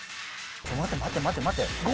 待て待て待て待て。